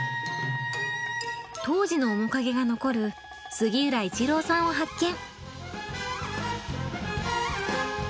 当時の面影が残る杉浦一郎さんを発見。